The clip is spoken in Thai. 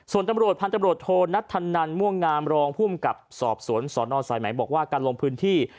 ส่วนตำรวจพันธบรวจโทนัทธันนันม่วงงามรองภูมิกับสอบสวนสนสายไหมบอกว่าการลงพื้นที่